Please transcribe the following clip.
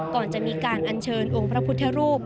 ก่อนจะมีการอัญเชิญองค์พระพุทธรูป